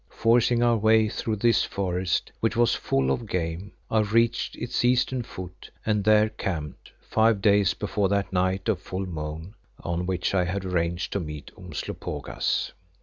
Forcing our way through this forest, which was full of game, I reached its eastern foot and there camped, five days before that night of full moon on which I had arranged to meet Umslopogaas.